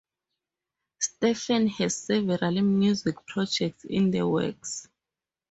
Stephen has several music projects in the works.